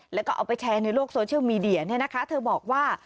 แล้วก็เอาไปแชร์ในโลกโซเชียลมีเดียเนี่ยนะคะเธอบอกว่า